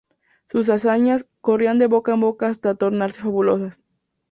Sus hazañas corrían de boca en boca hasta tornarse fabulosas.